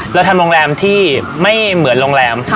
เราทำโรงแรมที่ไม่เหมือนโรงแรม